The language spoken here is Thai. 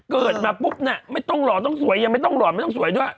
เกิดมาปุ๊บน่ะไม่ต้องหล่อต้องสวยยังไม่ต้องหล่อไม่ต้องสวยด้วย